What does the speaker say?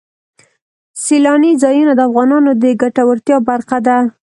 سیلانی ځایونه د افغانانو د ګټورتیا برخه ده.